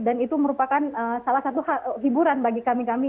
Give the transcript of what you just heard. dan itu merupakan salah satu hiburan bagi kami kami